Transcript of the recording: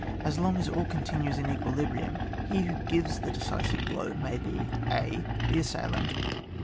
As long as all continues in equi librium, he who gives the decisive blow may be — (a) The assailant.